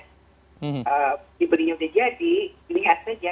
dibeli belinya sudah jadi lihat saja